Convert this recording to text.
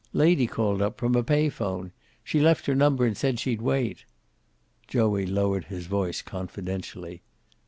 "Lady called up, from a pay phone. She left her number and said she'd wait." Joey lowered his voice confidentially.